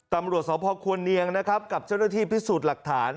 ตำรวจศพควณเนียงกับเจ้าหน้าที่ผิดสูตรหลักฐาน